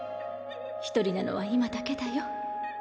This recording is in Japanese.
一人なのは今だけだよ。